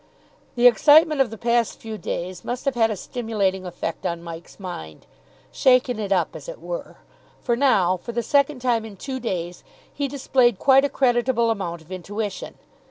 The excitement of the past few days must have had a stimulating effect on Mike's mind shaken it up, as it were: for now, for the second time in two days, he displayed quite a creditable amount of intuition.